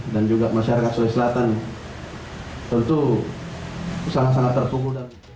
dan juga masyarakat sulawesi selatan tentu sangat sangat tertunggu